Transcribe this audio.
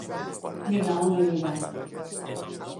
Lligar o no lligar.